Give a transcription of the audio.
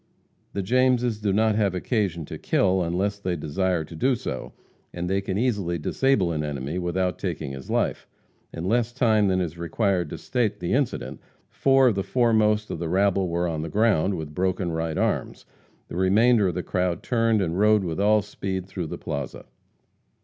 The Jameses do not have occasion to kill unless they desire to do so, as they can easily disable an enemy without taking his life. In less time than is required to state the incident, four of the foremost of the rabble were on the ground, with broken right arms. The remainder of the crowd turned and rode with all speed through the plaza.